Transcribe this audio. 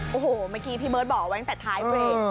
โอ้โหเมื่อกี้พี่เมิสบอกไว้แต่ท้ายเวลา